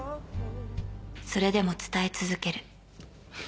［それでも伝え続ける］